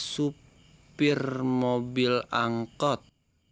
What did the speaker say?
supir mobil angkot